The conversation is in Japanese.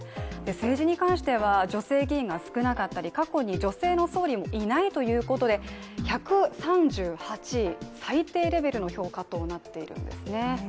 政治に関しては、女性議員が少なかったり、過去に女性の総理もいないということで１３８位、最低レベルの評価となっているんですね